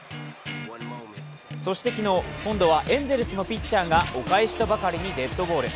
そして昨日、今度はエンゼルスのピッチャーがお返しとばかりにデッドボール。